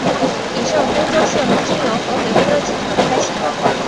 以上公交线路均由合肥公交集团开行。